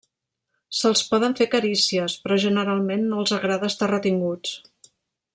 Se'ls poden fer carícies, però generalment no els agrada estar retinguts.